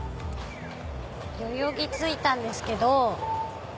代々木着いたんですけど。